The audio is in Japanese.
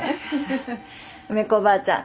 梅子ばあちゃん。